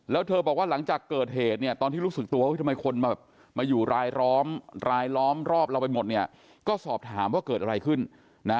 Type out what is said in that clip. แล้วเธอบอกว่าหลังจากเกิดเหตุเนี่ยตอนที่รู้สึกตัวว่าทำไมคนมาแบบมาอยู่รายล้อมรายล้อมรอบเราไปหมดเนี่ยก็สอบถามว่าเกิดอะไรขึ้นนะ